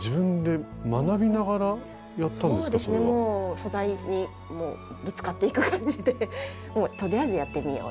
素材にぶつかっていく感じで「とりあえずやってみよう」